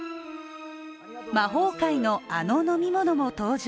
魔法界のあの飲み物も登場。